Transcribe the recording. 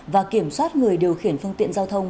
và kiểm soát người điều khiển phương tiện giao thông